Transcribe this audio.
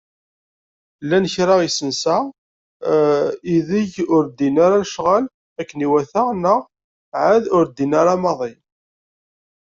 Llan kra n yisensa ideg ur ddin ara lecɣal akken iwata neɣ ɛad ur bdin ara maḍi.